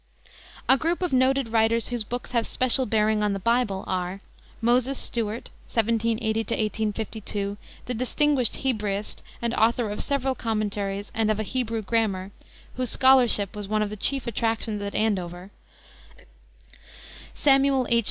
A group of noted writers whose books have special bearing on the Bible are: Moses Stuart (1780 1852), the distinguished Hebraist and author of several commentaries and of a Hebrew Grammar, whose scholarship was one of the chief attractions at Andover; Samuel H.